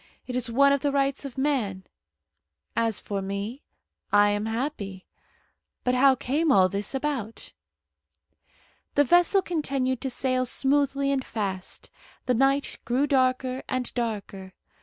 It is one of the rights of man. As for me, I am happy. But how came all this about?" The vessel continued to sail smoothly and fast. The night grew darker and darker.